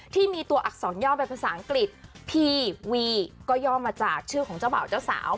ที่มีตัวอักษรย่อเป็นภาษาอังกฤษพีวีก็ย่อมาจากชื่อของเจ้าบ่าวเจ้าสาว